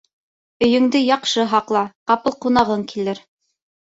Өйөңдө яҡшы һаҡла, ҡапыл ҡунағың килер